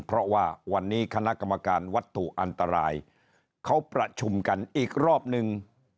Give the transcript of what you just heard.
เพราะว่าวันนี้คณะกรรมการวัตถุอันตรายเขาประชุมกันอีกรอบนึง